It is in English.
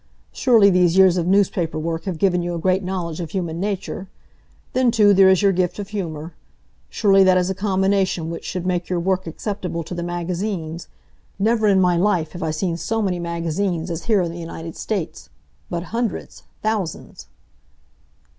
Surely these years of newspaper work have given you a great knowledge of human nature. Then too, there is your gift of humor. Surely that is a combination which should make your work acceptable to the magazines. Never in my life have I seen so many magazines as here in the United States. But hundreds! Thousands!"